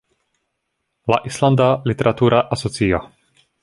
La Islanda literatura asocio.